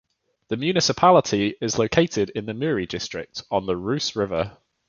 The municipality is located in the Muri district, on the Reuss river.